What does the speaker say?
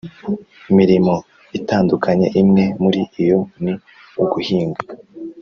Mirimo itandukanye imwe muri iyo ni uguhinga